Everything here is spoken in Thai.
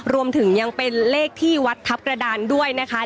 รวมถึงยังเป็นเลขที่วัดทัพกระดานด้วยนะคะ